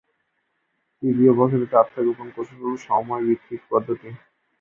তৃতীয় প্রচলিত আত্মগোপন কৌশল হল সময়-ভিত্তিক পদ্ধতি।